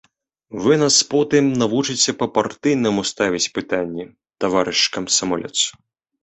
Вы нас потым навучыце па-партыйнаму ставіць пытанні, таварыш камсамолец!